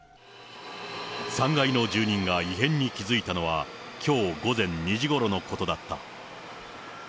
３階の住人が異変に気付いたのは、きょう午前２時ごろのことだった。